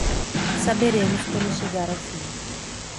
Saberemos quando chegar ao fim